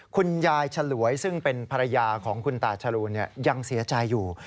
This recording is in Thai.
คุณยายฉลวยซึ่งเป็นภรรยาของคุณตาจรูนยังเสียใจอยู่